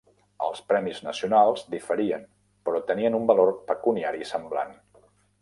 Els premis nacionals diferien, però tenien un valor pecuniari semblant.